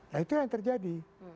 nah itu yang terjadi